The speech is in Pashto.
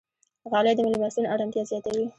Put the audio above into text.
غالۍ د میلمستون ارامتیا زیاتوي.